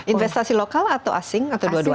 investasi lokal atau asing atau dua duanya